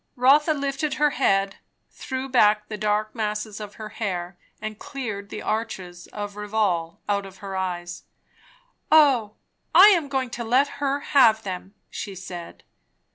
Rotha lifted her head, threw back the dark masses of her hair, and cleared the arches of Rivaulx out of her eyes. "O, I am going to let her have them," she said.